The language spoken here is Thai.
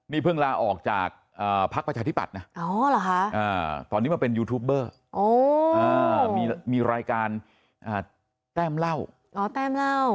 นี่เพิ่งลาออกจากพักประชาธิบัตย์นะตอนนี้มาเป็นยูทูปเบอร์มีรายการแต้มเล่าแต้มเล่า